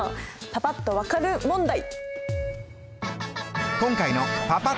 パパっと分かる問題。